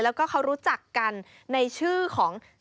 แล้วก็เขารู้จักกันในชื่อของ